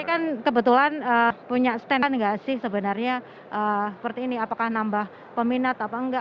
ini kan kebetulan punya stand an gak sih sebenarnya seperti ini apakah nambah peminat apa enggak